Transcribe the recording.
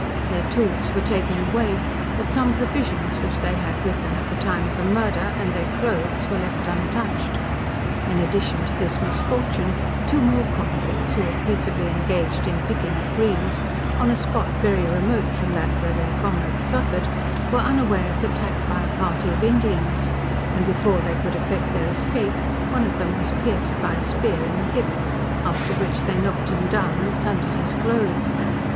Their tools were taken away, but some provisions which they had with them at the time of the murder, and their cloaths, were left untouched. In addition to this misfortune, two more convicts, who were peaceably engaged in picking of greens, on a spot very remote from that where their comrades suffered, were unawares attacked by a party of Indians, and before they could effect their escape, one of them was pierced by a spear in the hip, after which they knocked him down, and plundered his cloaths.